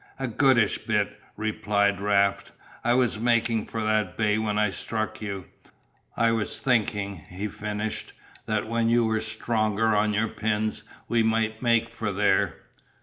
"A goodish bit," replied Raft. "I was making for that bay when I struck you. I was thinking," he finished, "that when you were stronger on your pins we might make for there."